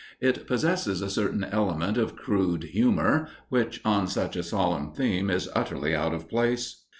It possesses a certain element of crude humour, which, on such a solemn theme, is utterly out of place.